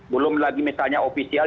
belum lagi misalnya ofisial